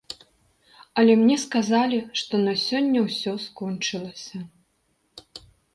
Але мне сказалі, што на сёння ўсё скончылася.